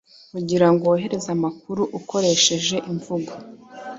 kugirango wohereze amakuru ukoreheje imvugo